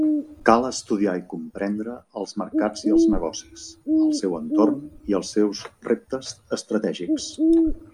Cal estudiar i comprendre els mercats i els negocis, el seu entorn i els seus reptes estratègics.